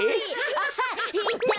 アハッへた！